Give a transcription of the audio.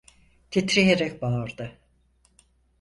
Titreyerek bağırdı: